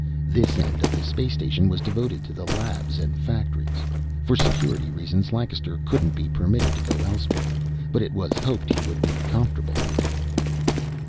This end of the space station was devoted to the labs and factories; for security reasons, Lancaster couldn't be permitted to go elsewhere, but it was hoped he would be comfortable here.